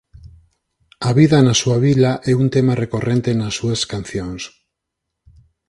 A vida na súa vila é un tema recorrente nas súas cancións.